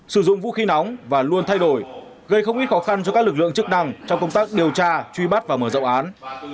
sử dụng vũ khí nóng và luôn thay đổi gây không ít khó khăn cho các lực lượng chức năng trong công tác điều tra truy bắt và mở rộng án